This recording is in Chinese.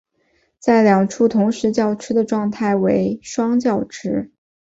在两处同时叫吃的状态为双叫吃。